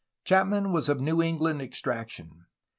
Chapman was of New England extraction.